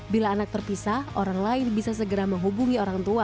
bila anak terpisah orang lain bisa segera menghubungi